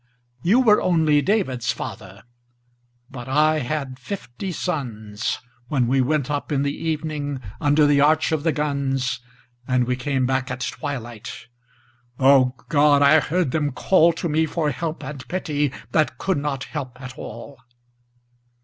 You were, only David's father, But I had fifty sons When we went up in the evening Under the arch of the guns, And we came back at twilight — O God ! I heard them call To me for help and pity That could not help at all.